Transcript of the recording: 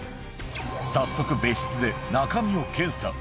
早速、別室で中身を検査。